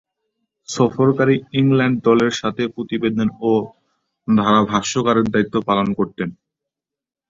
সফরকারী England দলের সাথে প্রতিবেদক ও ধারাভাষ্যকারের দায়িত্ব পালন করতেন।